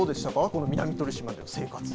この南鳥島の生活。